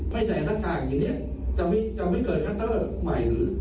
ใส่หน้ากากอย่างนี้จะไม่เกิดคัตเตอร์ใหม่หรือ